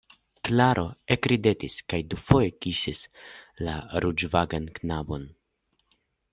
Klaro ekridetis kaj dufoje kisis la ruĝvangan knabon.